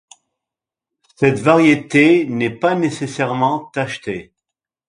Cette variété n’est pas nécessairement tachetée.